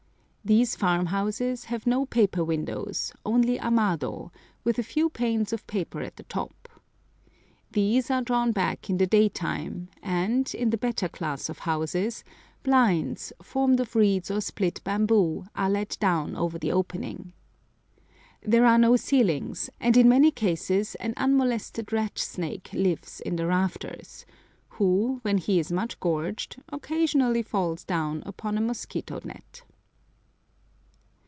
These farm houses have no paper windows, only amado, with a few panes of paper at the top. These are drawn back in the daytime, and, in the better class of houses, blinds, formed of reeds or split bamboo, are let down over the opening. There are no ceilings, and in many cases an unmolested rat snake lives in the rafters, who, when he is much gorged, occasionally falls down upon a mosquito net.